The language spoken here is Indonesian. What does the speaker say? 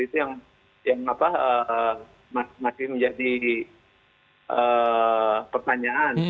itu yang masih menjadi pertanyaan